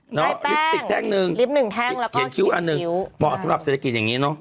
แจ้แป้งลิปติดแทงนึงเขียนคิ้วอันนึงมักสำหรับเศรษฐกิจอย่างนี้เนอะ